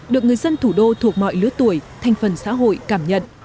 được người dân thủ đô thuộc mọi lứa tuổi thành phần xã hội cảm nhận